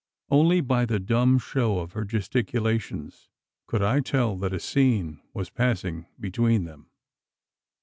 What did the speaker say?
Only by the dumb show of her gesticulations, could I tell that a scene was passing between them.